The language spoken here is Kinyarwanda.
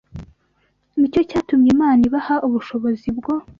Ni cyo cyatumye Imana ibaha ubushobozi bwo